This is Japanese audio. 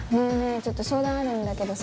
ちょっと相談あるんだけどさ。